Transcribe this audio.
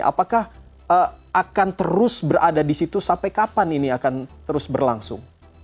apakah akan terus berada di situ sampai kapan ini akan terus berlangsung